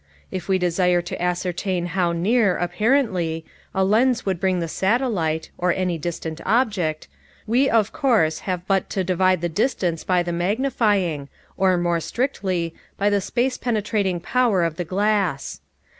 If we desire to ascertain how near, apparently, a lens would bring the satellite (or any distant object), we, of course, have but to divide the distance by the magnifying or, more strictly, by the space penetrating power of the glass.